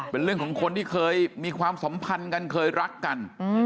เป็นเรื่องของคนที่เคยมีความสัมพันธ์กันเคยรักกัน